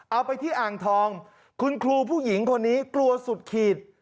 เอาไปที่อ่างทองคุณครูผู้หญิงคนนี้กลัวสุดขีด